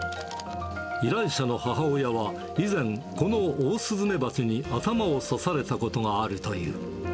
依頼者の母親は以前、このオオスズメバチに頭を刺されたことがあるという。